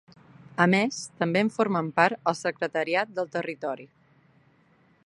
A més, també en formen part el Secretariat del Territori.